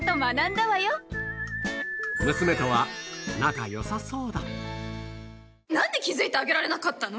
娘とは仲良さそうだ何で気付いてあげられなかったの？